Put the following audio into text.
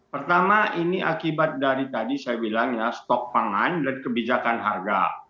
pertama ini akibat dari tadi saya bilang ya stok pangan dan kebijakan harga